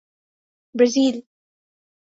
Brazil